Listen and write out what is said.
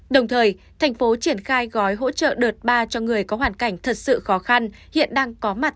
đồng thời thành phố triển khai gói hỗ trợ đợt ba cho người có hoàn cảnh thật sự khó khăn hiện đang có mặt